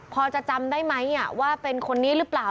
พอจะจำได้ไหมว่าเป็นคนนี้หรือเปล่า